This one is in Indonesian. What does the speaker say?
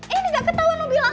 ini gak ketahuan lo bilang